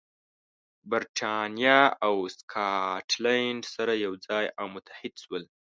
برېټانیا او سکاټلند سره یو ځای او متحد شول.